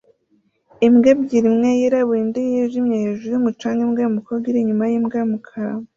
Imbwa ebyiri imwe yirabura indi yijimye hejuru yumucanga imbwa yumukobwa iri inyuma yimbwa yumukara